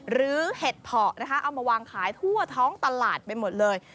เห็ดเพาะนะคะเอามาวางขายทั่วท้องตลาดไปหมดเลย